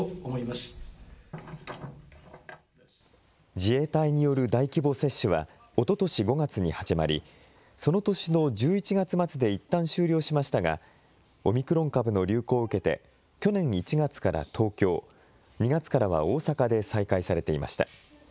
自衛隊による大規模接種は、おととし５月に始まり、その年の１１月末でいったん終了しましたが、オミクロン株の流行を受けて、去年１月から東京、２月からは大阪で再開されていました。